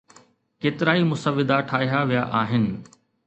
ڪيترائي مسودا ٺاهيا ويا آهن.